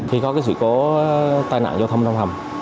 khi có sự cố tai nạn giao thông trong hầm